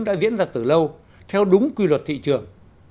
đã diễn ra từ lâu theo đúng quy luật thị trường